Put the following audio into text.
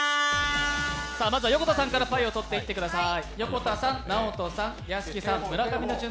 まずは横田さんからパイを取っていってください。